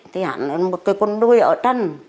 thì hắn là một cái con đuôi ở trên